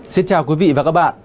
xin chào quý vị và các bạn